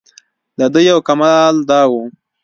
دده یو کمال دا و.